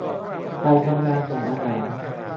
ใครทำงานส่งอาหาร